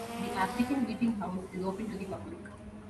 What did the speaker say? The African Meeting House is open to the public.